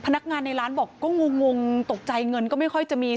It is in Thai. พนักงานในร้านบอกก็งงตกใจเงินก็ไม่ค่อยจะมี